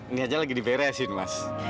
ini aja lagi diberesin mas